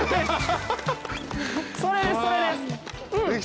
それですそれです。